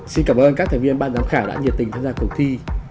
xin cảm ơn các thành viên ban giám khảo đã nhiệt tình tham gia cuộc thi